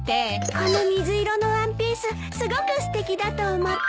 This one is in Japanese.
この水色のワンピースすごくすてきだと思って。